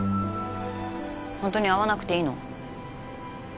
本当に会わなくていいの？